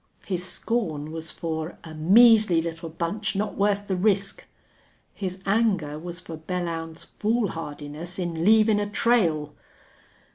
His scorn was for a "measly little bunch not worth the risk." His anger was for Belllounds's foolhardiness in "leavin' a trail."